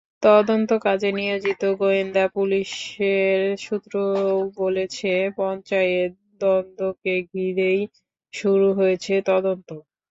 তদন্তকাজে নিয়োজিত গোয়েন্দা পুলিশের সূত্রও বলেছে, পঞ্চায়েত দ্বন্দ্বকে ঘিরেই শুরু হয়েছে তদন্ত।